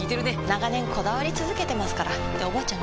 長年こだわり続けてますからっておばあちゃん